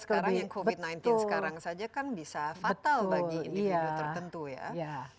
sekarang yang covid sembilan belas sekarang saja kan bisa fatal bagi individu tertentu ya